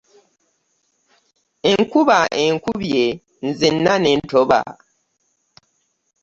Enkuba enkubye nzena ne ntoba.